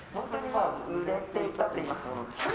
売れてたといいますか。